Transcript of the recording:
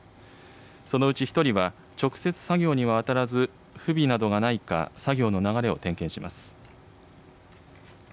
そのうち１人は直接作業には当たらず、不備などがないか、作業の流れを点検します。